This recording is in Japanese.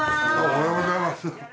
おはようございます。